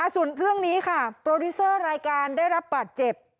ส่วนเรื่องนี้ค่ะโปรดิวเซอร์รายการได้รับบาดเจ็บ